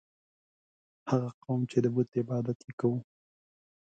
هغه قوم چې د بت عبادت یې کاوه.